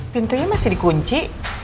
pintunya masih dikunci